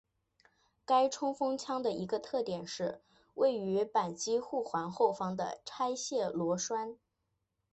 该冲锋枪的一个特点是位于扳机护环后方的拆卸螺栓。